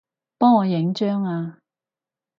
幫我影張吖